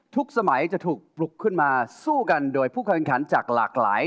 ทุกสมัยจะถูกปลุกขึ้นมาสู้กันโดยผู้แข่งขันใช่งานหลาย